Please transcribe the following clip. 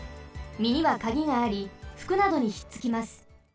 みにはカギがありふくなどにひっつきます。